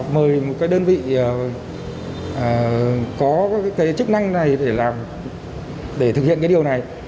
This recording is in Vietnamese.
mời một cái đơn vị có cái chức năng này để thực hiện cái điều này